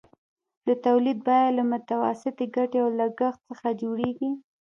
د تولید بیه له متوسطې ګټې او لګښت څخه جوړېږي